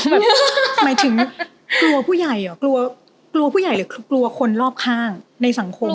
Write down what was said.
หมายถึงกลัวผู้ใหญ่หรือกลัวคนรอบข้างในสังคม